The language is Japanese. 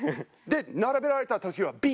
並べられた時は「尾」。